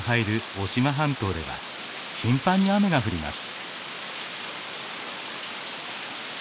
渡島半島では頻繁に雨が降ります。